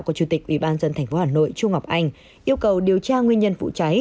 của chủ tịch ủy ban dân thành phố hà nội trung ngọc anh yêu cầu điều tra nguyên nhân vụ cháy